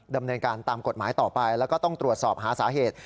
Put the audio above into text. ดำเนินการตามกฎหมายต่อไปแล้วก็ต้องตรวจสอบหาสาเหตุ